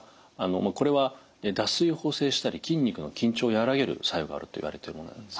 これは脱水を補正したり筋肉の緊張を和らげる作用があるといわれているものなんです。